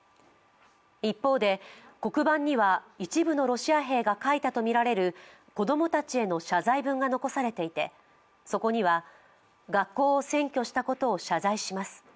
一方で、黒板には一部のロシア兵が書いたとみられる子供たちへの謝罪文が残されていて、そこには、学校を占拠したことを謝罪します